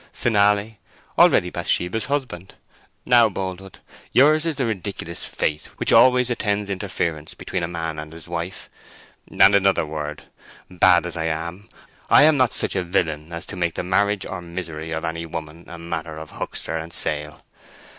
Finale: already Bathsheba's husband. Now, Boldwood, yours is the ridiculous fate which always attends interference between a man and his wife. And another word. Bad as I am, I am not such a villain as to make the marriage or misery of any woman a matter of huckster and sale.